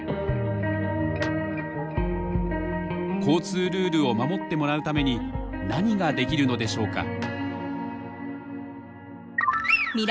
交通ルールを守ってもらうために何ができるのでしょうか？